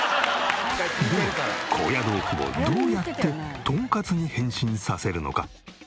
では高野豆腐をどうやってトンカツに変身させるのか？